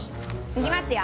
いきますよ！